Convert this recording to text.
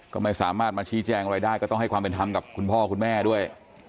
ก็ไม่สามารถมาชี้แจงอะไรได้ก็ต้องให้ความเป็นธรรมกับคุณพ่อคุณแม่ด้วย